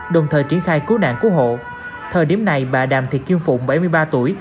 đồng thời triển khai cứu nạn cứu hộ thời điểm này bà đàm thị kim phụng bảy mươi ba tuổi